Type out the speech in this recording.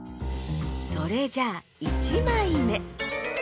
それじゃあ１まいめ。